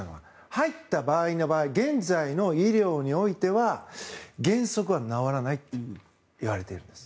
入った場合現在の医療においては原則は治らないといわれているんです。